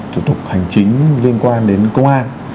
thủ tục hành chính liên quan đến công an